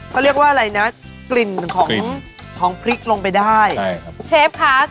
เขาเรียกว่าอะไรนะกลิ่นของของพริกลงไปได้ใช่ครับเชฟค่ะ